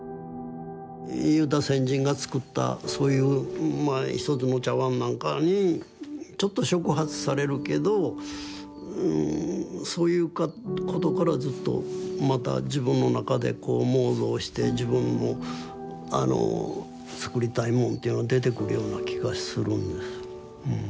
先人が作ったそういうまあ一つの茶碗なんかにちょっと触発されるけどそういうことからずっとまた自分の中でこう妄想して自分の作りたいもんっていうのは出てくるような気がするんです。